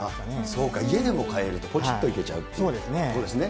そうか、家でも買えると、ぽちっといけちゃうということですね。